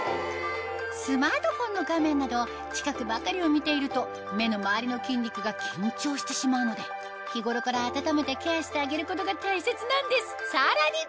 スマートフォンの画面など近くばかりを見ていると目の周りの筋肉が緊張してしまうので日頃から温めてケアしてあげることが大切なんですさらに！